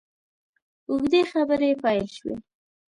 اوږدې خبرې پیل شوې.